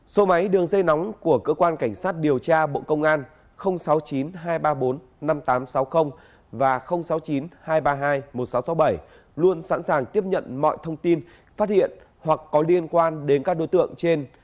số máy đường dây nóng của cơ quan cảnh sát điều tra bộ công an sáu mươi chín hai trăm ba mươi bốn năm nghìn tám trăm sáu mươi và sáu mươi chín hai trăm ba mươi hai một nghìn sáu trăm sáu mươi bảy luôn sẵn sàng tiếp nhận mọi thông tin phát hiện hoặc có liên quan đến các đối tượng trên